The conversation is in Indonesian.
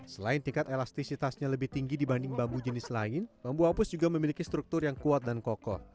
selain tingkat elastisitasnya lebih tinggi dibanding bambu jenis lain bambu hapus juga memiliki struktur yang kuat dan kokoh